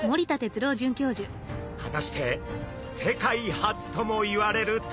果たして世界初ともいわれる取り組みとは？